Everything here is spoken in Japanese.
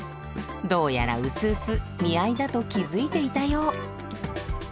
どうやら薄々見合いだと気付いていたよう。